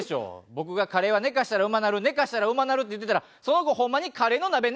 僕がカレーは寝かしたらうまなる寝かしたらうまなるって言ってたらその子ホンマにカレーの鍋寝かしちゃったんですよ。